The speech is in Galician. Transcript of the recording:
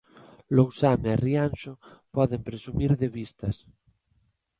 Lousame e Rianxo poden presumir de vistas.